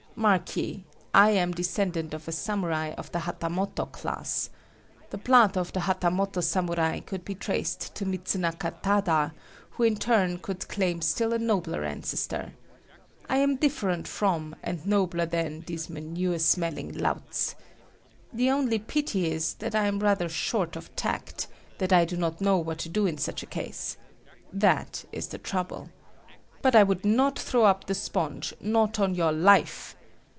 Mark ye,—I am descendant of a samurai of the "hatamoto" class. The blood of the "hatamoto" samurai could be traced to Mitsunaka Tada, who in turn could claim still a nobler ancestor. I am different from, and nobler than, these manure smelling louts. The only pity is that I am rather short of tact; that I do not know what to do in such a case. That is the trouble. But I would not throw up the sponge; not on your life!